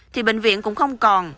thì bệnh viện cũng không còn